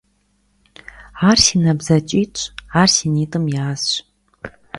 Ar si nabdzeç'it'ş, ar si nit'ım yazş.